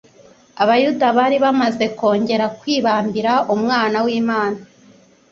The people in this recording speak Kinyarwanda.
Abayuda bari bamaze kongera kwibambira Umwana w'Imana.